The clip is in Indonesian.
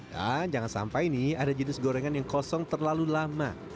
dan jangan sampai nih ada jenis gorengan yang kosong terlalu lama